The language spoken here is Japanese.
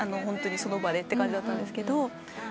ホントにその場でって感じだったんですけど。